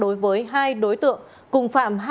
đối với hai đối tượng cùng phạm